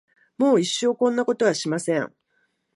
もう一生こんなことはしません。